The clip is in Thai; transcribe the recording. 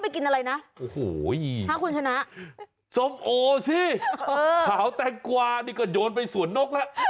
ขาวแต้งกลว่านี่ก็โยนไปสวนนกแล้ว